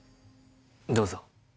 どうぞ。